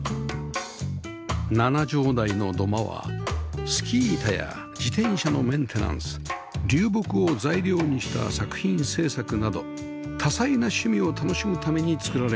７畳大の土間はスキー板や自転車のメンテナンス流木を材料にした作品制作など多彩な趣味を楽しむために造られました